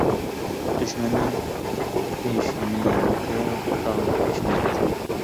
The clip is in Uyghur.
دۈشمەننىڭ ئېشىنى يېگۈچە، تاغنىڭ تېشىنى توشۇ.